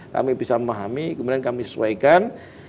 kami bisa memahami kemudian kami sesuaikan